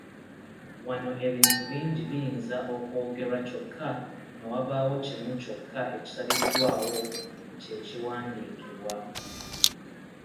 Wano ebintu bingi biyinza okwogerwa kyokka ne wabaawo kimu kyokka ekisaliddwawo kye kiwandiikibwa.